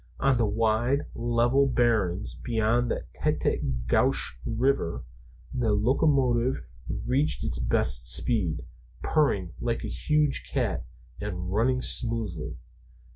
On the wide level barrens beyond the Tête á Gouche River the locomotive reached its best speed, purring like a huge cat and running smoothly.